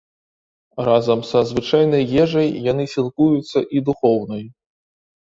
Разам са звычайнай ежай яны сілкуюцца і духоўнай.